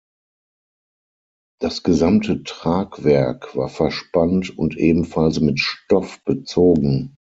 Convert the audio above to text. Das gesamte Tragwerk war verspannt und ebenfalls mit Stoff bezogen.